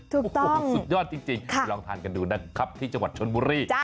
ถูกต้องโอ้โหสุดยอดจริงลองทานกันดูนะครับที่จังหวัดชนบุรี